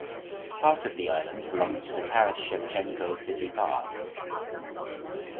Part of the island belongs to the Taras Shevchenko city park.